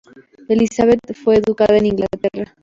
Elizabeth fue educada en Inglaterra.